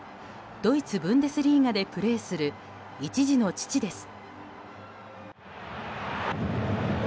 ドイツ・ブンデスリーガでプレーする１児の父です。